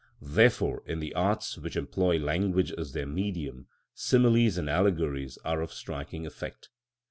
Therefore, in the arts which employ language as their medium, similes and allegories are of striking effect.